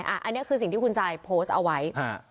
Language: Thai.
อันนี้คือสิ่งที่คุณซายโพสต์เอาไว้